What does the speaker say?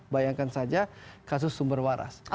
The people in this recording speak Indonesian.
bayangkan saja kasus sumberwaras